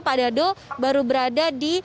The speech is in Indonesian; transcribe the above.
pak dado baru berada di